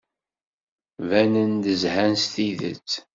Banen-d zhan s tidet.